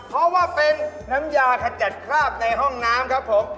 เพราะว่าเป็นน้ำยาขจัดคราบในห้องน้ำครับผม